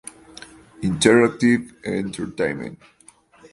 Interactive Entertainment.